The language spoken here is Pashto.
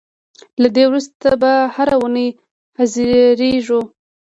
له دې وروسته به هر اوونۍ حاضرېږو.